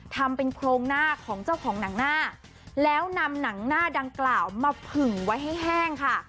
ทำเป็นโครงหน้าของเจ้าของหนังหน้าแล้วนำหนังหน้าดังกล่าวมาผึ่งไว้ให้แห้งค่ะ